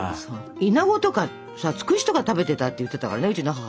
イナゴとかさツクシとか食べてたって言ってたからねうちの母なんか。